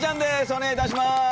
お願いいたします。